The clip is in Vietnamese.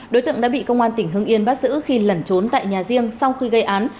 đối tượng đã bị công an tỉnh hưng yên bắt giữ khi lẩn trốn tại nhà riêng sau khi gây án